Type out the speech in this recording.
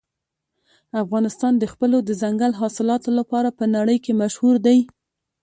افغانستان د خپلو دځنګل حاصلاتو لپاره په نړۍ کې مشهور دی.